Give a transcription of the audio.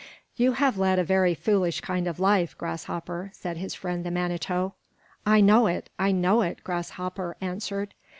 "You have led a very foolish kind of life, Grasshopper," said his friend the Manito. "I know it I know it!" Grasshopper answered.